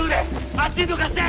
あっちにどかして。